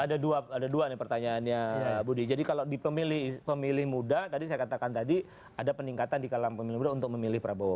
ada dua nih pertanyaannya budi jadi kalau di pemilih muda tadi saya katakan tadi ada peningkatan di kalang pemilih muda untuk memilih prabowo